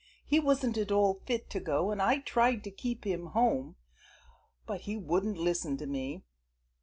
He wasn't at all fit to go, and I tried to keep him home, but he wouldn't listen to me.